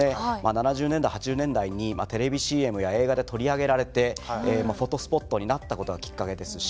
７０年代８０年代にテレビＣＭや映画で取り上げられてフォトスポットになったことがきっかけですし。